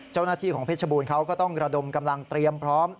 เจ้าหน้าที่ของเพชรบูรณเขาก็ต้องระดมกำลังเตรียมพร้อม